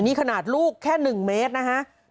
นี่ขนาดลูกแค่๑เมตรนะฮะ